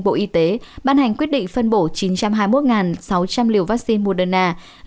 bộ y tế ban hành quyết định phân bổ chín trăm hai mươi một sáu trăm linh liều vaccine moderna